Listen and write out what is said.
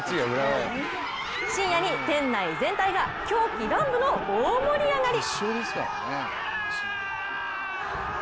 深夜に店内全体が狂喜乱舞の大盛り上がり。